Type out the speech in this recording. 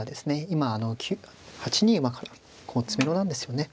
今８二馬からの詰めろなんですよね。